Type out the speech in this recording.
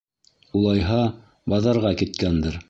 Улайһа, баҙарға киткәндер.